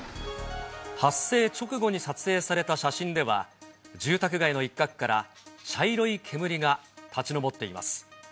発生直後に撮影された写真では、住宅街の一角から、茶色い煙が立ち上っています。